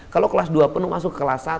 kalau kelas dua penuh masuk ke kelas satu